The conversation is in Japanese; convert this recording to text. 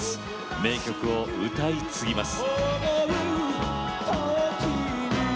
名曲を歌い継ぎます。